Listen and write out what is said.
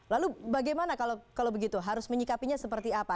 lalu bagaimana kalau begitu harus menyikapinya seperti apa